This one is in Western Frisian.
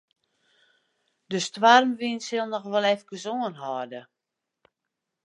De stoarmwyn sil noch wol efkes oanhâlde.